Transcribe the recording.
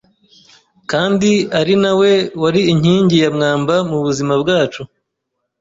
kandi ari na we wari inkingi ya mwamba mu buzima bwacu